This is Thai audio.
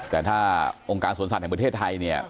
แต่ถ้าองค์การสวนสัตว์แห่งประเทศไทยเนี่ย